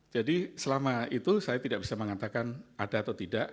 jadi selama itu saya tidak bisa mengatakan ada atau tidak